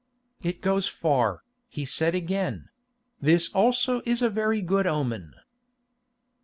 "It goes far," he said again; "this also is a very good omen."